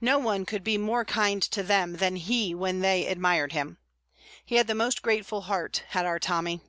No one could be more kind to them than he when they admired him. He had the most grateful heart, had our Tommy.